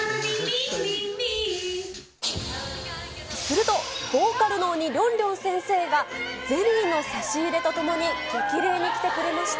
するとボーカルの鬼、りょんりょん先生が、ゼリーの差し入れとともに、激励に来てくれました。